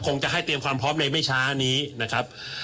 คงจะให้เตรียมความพร้อมในไม่ช้านี้นะครับ